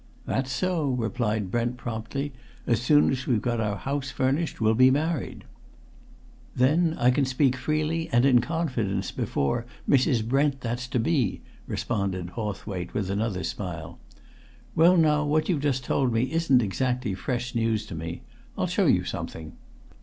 "That's so," replied Brent promptly. "As soon as we've got our house furnished we'll be married." "Then I can speak freely and in confidence before Mrs. Brent that's to be," responded Hawthwaite, with another smile. "Well, now, what you've just told me isn't exactly fresh news to me! I'll show you something."